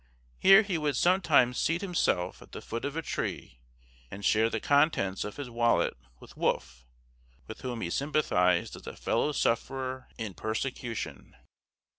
Here he would sometimes seat himself at the foot of a tree, and share the contents of his wallet with Wolf, with whom he sympathized as a fellow sufferer in persecution.